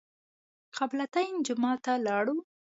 قبله تین جومات ته لاړو.